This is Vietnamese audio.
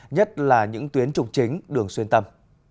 nhất là những tuyến trục chính đường xuyên tâm